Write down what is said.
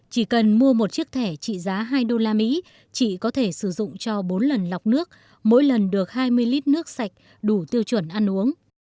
chỉ cần mua một chiếc thẻ trị giá hai đô la mỹ chị có thể sử dụng cho bốn lần lọc nước mỗi lần được hai mươi lít nước sạch đủ tiêu chuẩn ăn uống